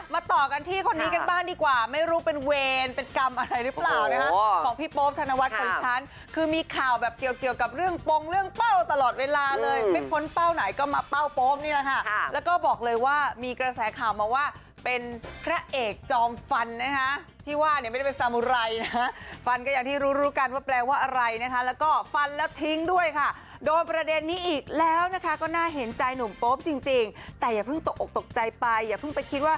มาต่อกันที่คนนี้กันบ้างดีกว่าไม่รู้เป็นเวรเป็นกรรมอะไรหรือเปล่านะฮะของพี่โป๊บธนวัตรของฉันคือมีข่าวแบบเกี่ยวกับเรื่องปงเรื่องเป้าตลอดเวลาเลยไม่ค้นเป้าไหนก็มาเป้าโป๊บนี่แหละค่ะแล้วก็บอกเลยว่ามีกระแสข่าวมาว่าเป็นพระเอกจอมฟันนะฮะที่ว่าเนี่ยไม่เป็นสามูไรนะฮะฟันก็อย่างที่รู้กัน